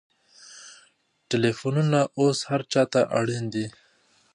ټلېفونونه اوس هر چا ته اړین دي.